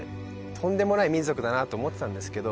とんでもない民族だなと思ってたんですけど